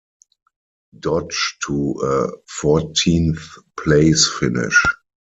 Dodge to a fourteenth-place finish.